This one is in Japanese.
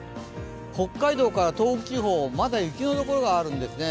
北海道から東北地方、まだ雪のところがあるんですね。